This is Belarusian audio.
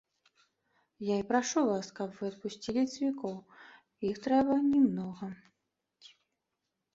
Я і прашу вас, каб вы адпусцілі цвікоў, іх трэба не многа.